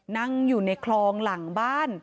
นั่งอยู่ในคลองหลังบ้าน